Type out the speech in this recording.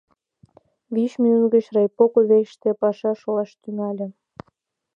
Вич минут гыч райпо кудвечыште паша шолаш тӱҥале.